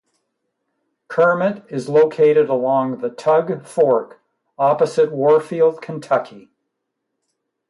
Kermit is located along the Tug Fork, opposite Warfield, Kentucky.